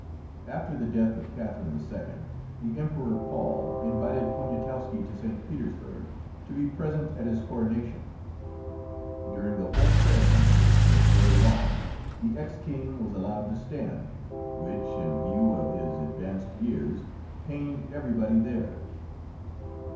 After the death of Catherine II., the Emperor Paul invited Poniatowski to St. Petersburg, to be present at his coronation. During the whole ceremony, which was very long, the ex king was allowed to stand, which, in view of his advanced years, pained everybody there.